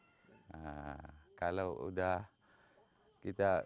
nah kalau sudah kita